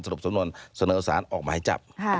รุปสำนวนเสนอสารออกหมายจับ